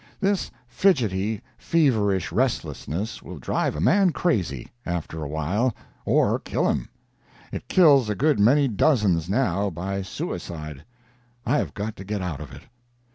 This fidgety, feverish restlessness will drive a man crazy, after a while, or kill him. It kills a good many dozens now—by suicide. I have got to get out of it.